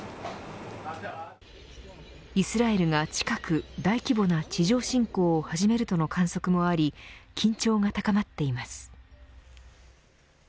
イスラエルが近く大規模な地上侵攻を始めるとの観測もあり緊張が高まっています。